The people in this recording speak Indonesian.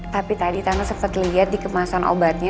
tapi tadi tante sempet liat di kemasan obatnya